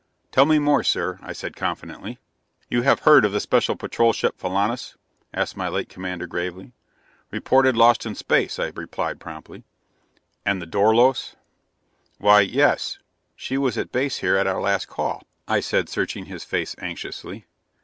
"Tell me more, sir," I said confidently. "You have heard of the Special Patrol Ship Filanus?" asked my late commander gravely. "Reported lost in space," I replied promptly. "And the Dorlos?" "Why yes; she was at Base here at our last call," I said, searching his face anxiously.